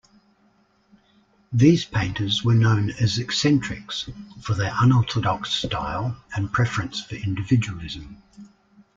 These painters were known as "eccentrics" for their unorthodox style and preference for individualism.